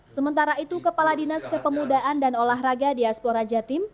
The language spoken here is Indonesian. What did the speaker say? sementara itu kepala dinas kepemudaan dan olahraga diaspora jatim